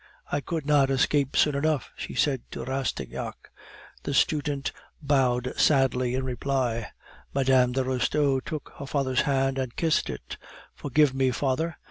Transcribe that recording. "I could not escape soon enough," she said to Rastignac. The student bowed sadly in reply. Mme. de Restaud took her father's hand and kissed it. "Forgive me, father!